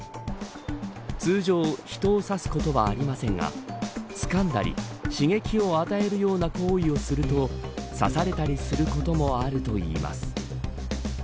通常、人を刺すことはありませんがつかんだり刺激を与えるような行為をすると刺されたりすることもあるといいます。